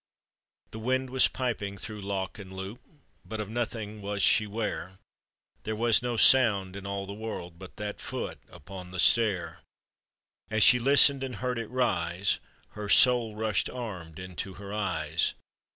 The wind was piping through lock and loop, But of nothing was she 'ware, There was no sound in all the world But that foot upon the stair; — And as she listened, and heard it rise, Her soul rushed armed into her eyes.